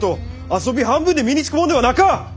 遊び半分で身につくもんではなか！